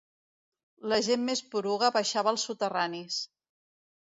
La gent més poruga baixava als soterranis